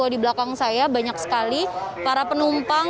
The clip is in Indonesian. di belakang saya banyak sekali para penumpang